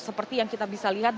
seperti yang kita bisa lihat